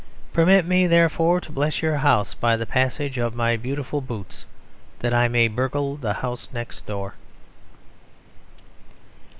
Permit me, therefore, to bless your house by the passage of my beautiful boots; that I may burgle the house next door."